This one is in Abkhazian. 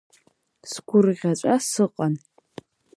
Сгәырӷьаҵәа сыҟан.